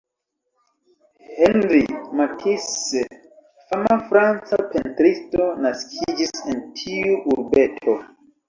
Henri Matisse, fama franca pentristo, naskiĝis en tiu urbeto.